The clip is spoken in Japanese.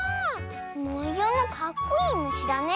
もようもかっこいいむしだね。